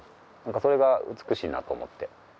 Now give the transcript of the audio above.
それが美しいなと思って。